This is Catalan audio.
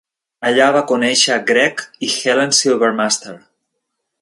Allà va conèixer a Greg i Helen Silvermaster.